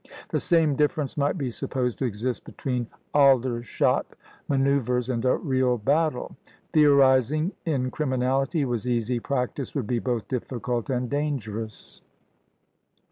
The same difference might be supposed to exist between Aldershot man[oe]uvres and a real battle. Theorising in criminality was easy; practice would be both difficult and dangerous.